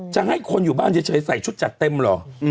จะให้คนอยู่บ้านเฉยใส่ชุดจัดเต็มเหรอ